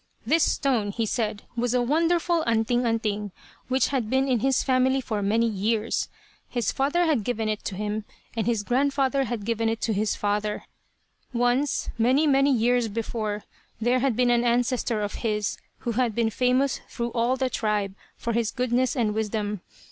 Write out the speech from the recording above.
"This stone, he said, was a wonderful 'anting anting' which had been in his family for many years. His father had given it to him, and his grandfather had given it to his father. "Once, many, many years before, there had been an ancestor of his who had been famous through all the tribe for his goodness and wisdom.